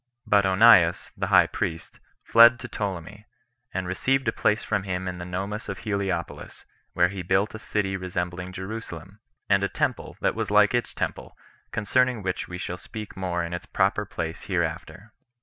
But Onias, the high priest, fled to Ptolemy, and received a place from him in the Nomus of Heliopolis, where he built a city resembling Jerusalem, and a temple that was like its temple 1 concerning which we shall speak more in its proper place hereafter.